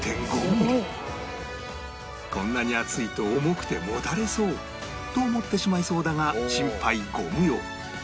こんなに厚いと重くてもたれそうと思ってしまいそうだが心配ご無用！